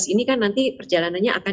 tujuh belas ini kan nanti perjalanannya akan